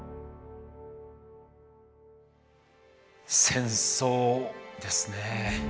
戦争ですね。